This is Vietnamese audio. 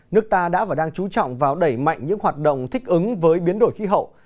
nước ta đã và đang trú trọng vào đẩy mạnh những hoạt động thích ứng với biến đổi khí hậu